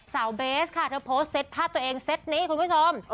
เบสค่ะเธอโพสต์เต็ตภาพตัวเองเซ็ตนี้คุณผู้ชม